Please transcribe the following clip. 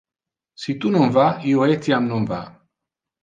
Si tu non va, io etiam non va.